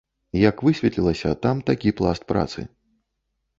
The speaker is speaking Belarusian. А як высветлілася, там такі пласт працы.